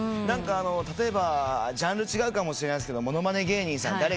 何か例えばジャンル違うかもしれないっすけど物まね芸人さん。